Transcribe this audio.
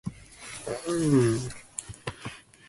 This story is not verified by historical sources.